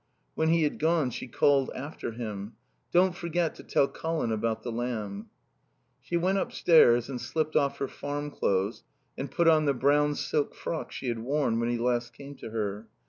When he had gone she called after him. "Don't forget to tell Colin about the lamb." She went upstairs and slipped off her farm clothes and put on the brown silk frock she had worn when he last came to her.